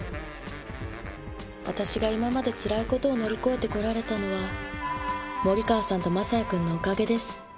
私が今までつらい事を乗り越えてこられたのは森川さんと将也くんのおかげです。